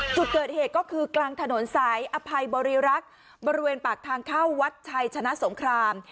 จุดเกิดเหตุก็คือกลางถนนสายอภัยบริรักษ์บริเวณปากทางเข้าวัดชัยชนะสงคราม